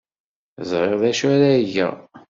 Ẓriɣ d acu ara geɣ.